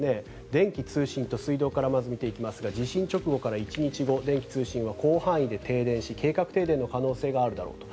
電気・通信と水道からまず見ていきますが地震直後から１日後電気・通信は広範囲で停電し計画停電の可能性があるだろうと。